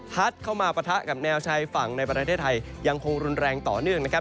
เข้ามาปะทะกับแนวชายฝั่งในประเทศไทยยังคงรุนแรงต่อเนื่องนะครับ